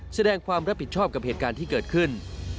แสดงความรับผิดชอบกับเหตุการณ์ที่เกิดขึ้น